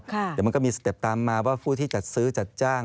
เดี๋ยวมันก็มีสเต็ปตามมาว่าผู้ที่จัดซื้อจัดจ้าง